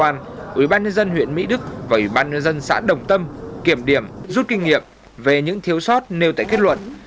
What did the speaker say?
tại buổi công bố liên quan ubnd huyện mỹ đức và ubnd xã đồng tâm kiểm điểm rút kinh nghiệm về những thiếu sót nêu tại kết luận